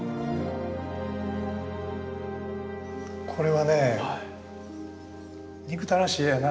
これはね憎たらしい絵やな。